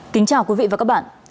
kính chào quý vị và các bạn